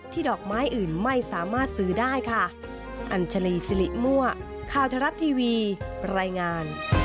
ดอกไม้อื่นไม่สามารถซื้อได้ค่ะ